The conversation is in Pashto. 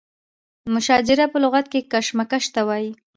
مشاجره په لغت کې کشمکش ته وایي.